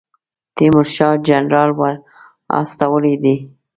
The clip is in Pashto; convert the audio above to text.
تیمورشاه جنرال ور استولی دی.